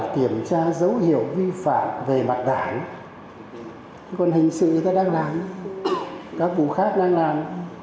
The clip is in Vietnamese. kiểm tra dấu hiệu vi phạm về mặt đảng còn hình sự người ta đang làm các vụ khác đang làm